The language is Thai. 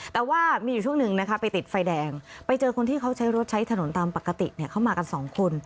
แต่ว่ามีอยู่ช่วงหนึ่งนะคะไปติดไฟแดงไปเจอคนที่เขาใช้รถใช้ถนนตามปกติเขามากันสองคน